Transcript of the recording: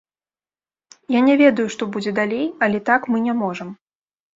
Я не ведаю, што будзе далей, але так мы не можам.